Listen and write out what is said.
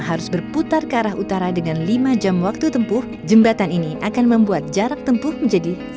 harus berputar ke arah utara dengan lima jam waktu tempuh jembatan ini akan membuat jarak tempuh menjadi